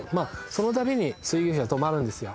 そのたびに水牛車は止まるんですよ